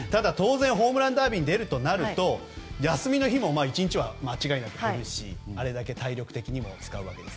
ホームランダービーに出るとなると、休みの日も１日は間違いなくあるしあれだけ体力的にも使うわけで。